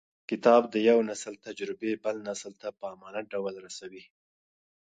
کتاب د یو نسل تجربې بل نسل ته په امانت ډول رسوي.